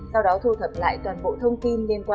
sau đó thu thập lại toàn bộ thông tin liên quan